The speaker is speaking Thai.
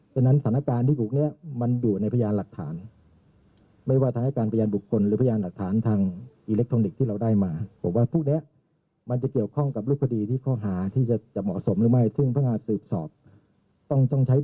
ธนัยตั้มบอกว่าแล้วทำไมไม่พูดแล้วหัวใครนะคะ